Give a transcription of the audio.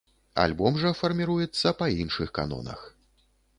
Альбом жа фарміруецца па іншых канонах.